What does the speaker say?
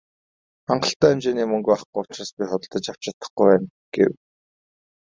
"Хангалттай хэмжээний мөнгө байхгүй учраас би худалдаж авч чадахгүй байна" гэв.